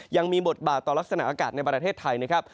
ยังมีบทบาทต่อลักษณะอากาศในประเทศไทยนะครับ